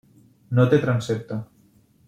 No té transsepte.